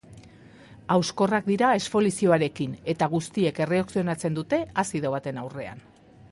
Hauskorrak dira, esfoliazioarekin eta guztiek erreakzionatzen dute azido baten aurrean.